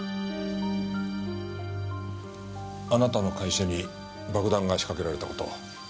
あなたの会社に爆弾が仕掛けられた事